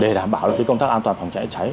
để đảm bảo công tác an toàn phòng chảy cháy